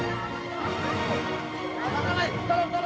jangan kesini pak nur